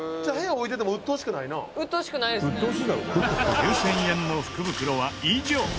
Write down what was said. ９０００円の福袋は以上。